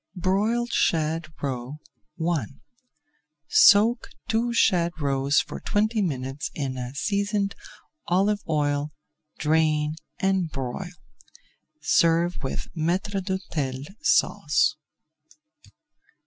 BROILED SHAD ROE I Soak two shad roes for twenty minutes in seasoned olive oil, drain and broil. Serve with Maître d'Hôtel Sauce.